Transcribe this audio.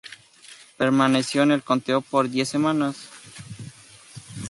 Permaneció en el conteo por diez semanas.